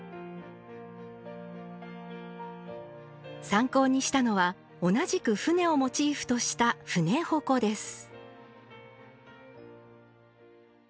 参考にしたのは同じく船をモチーフとした船鉾です。